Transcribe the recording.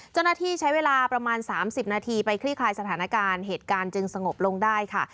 เจ้าหน้าที่ใช้เวลาประมาณ๓๐นาทีไปคลี่คลายสถานการณ์เหตุการณ์จึงสงบลงได้ค่ะ